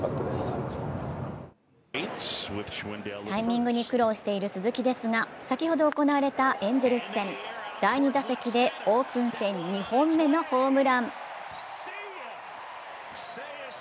タイミングに苦労している鈴木ですが、先ほど行われたエンゼルス戦、第２打席でオープン戦２本目のホームラン。